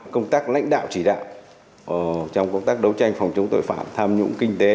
công tác lãnh đạo chỉ đạo trong công tác đấu tranh phòng chống tội phạm tham nhũng kinh tế